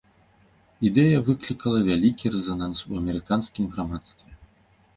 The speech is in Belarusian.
Ідэя выклікала вялікі рэзананс у амерыканскім грамадстве.